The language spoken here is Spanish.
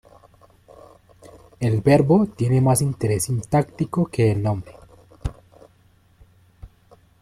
El verbo tiene más interés sintáctico que el nombre.